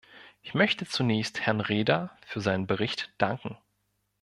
Ich möchte zunächst Herrn Rehder für seinen Bericht danken.